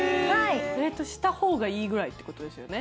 冷凍したほうがいいぐらいってことですよね。